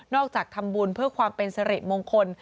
จากทำบุญเพื่อความเป็นสริมงคล